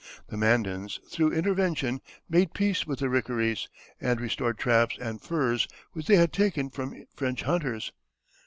The Mandans, through intervention, made peace with the Rickarees, and restored traps and furs which they had taken from French hunters.